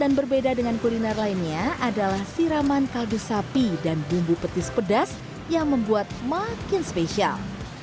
yang berbeda dengan kuliner lainnya adalah siraman kaldu sapi dan bumbu petis pedas yang membuat makin spesial